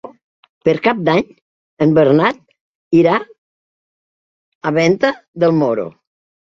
Per Cap d'Any en Bernat irà a Venta del Moro.